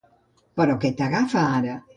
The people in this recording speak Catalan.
Però què t'agafa, ara?